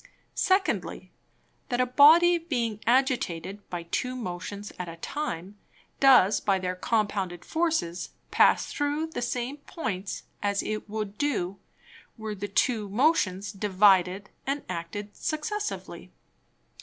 Secondly, That a Body being agitated by two Motions at a time, does by their compounded Forces pass through the same Points, as it would do, were the two Motions divided and acted successively.